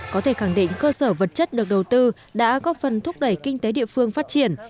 có thể khẳng định cơ sở vật chất được đầu tư đã góp phần thúc đẩy kinh tế địa phương phát triển